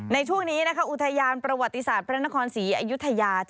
ในช่วงนี้อุทยานประวัติศาสตร์พระนครศรีอยุธยา